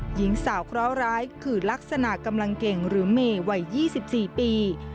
หญิงสาวเคราะหร้ายคือลักษณะกำลังเก่งหรือเมย์วัย๒๔ปี